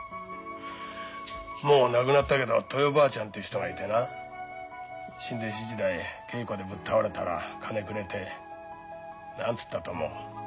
もう亡くなったけどトヨばあちゃんって人がいてな新弟子時代稽古でぶっ倒れたら金くれて何つったと思う？